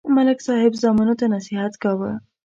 ملک صاحب زامنو ته نصحت کاوه